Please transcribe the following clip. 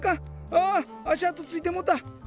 ああしあとついてもた。